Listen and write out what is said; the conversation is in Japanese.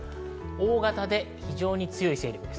大型で非常に強い勢力です。